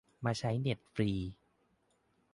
มาใช้เน็ตฟรี